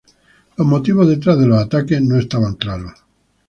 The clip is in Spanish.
Los motivos detrás de los ataques no estaban claros.